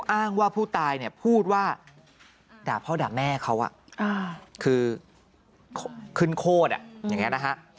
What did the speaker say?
อ้างว่าผู้ตายเนี่ยพูดว่าด่าพ่อด่าแม่เขาคือขึ้นโคตรอย่างนี้นะฮะ